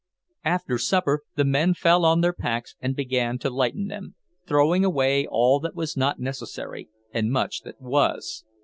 After supper the men fell on their packs and began to lighten them, throwing away all that was not necessary, and much that was.